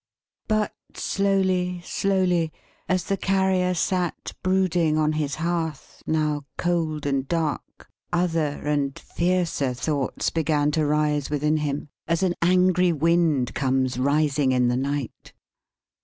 But slowly, slowly; as the Carrier sat brooding on his hearth, now cold and dark; other and fiercer thoughts began to rise within him, as an angry wind comes rising in the night.